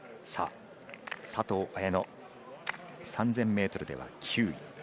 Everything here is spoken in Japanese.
佐藤綾乃、３０００ｍでは９位。